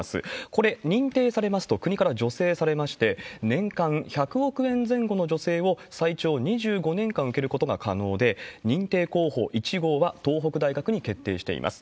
これ、認定されますと、国から助成されまして、年間１００億円前後の助成を最長２５年間受けることが可能で、認定候補１号は、東北大学に決定しています。